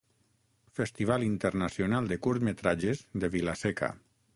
Festival Internacional de Curtmetratges de Vila-seca.